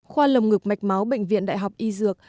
khoa lồng ngực mạch máu bệnh viện đại học y dược